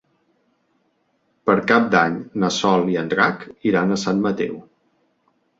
Per Cap d'Any na Sol i en Drac iran a Sant Mateu.